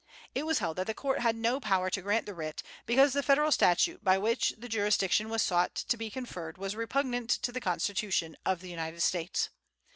It was held that the court had no power to grant the writ, because the Federal statute by which the jurisdiction was sought to be conferred was repugnant to the Constitution of the United States.